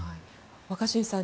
若新さん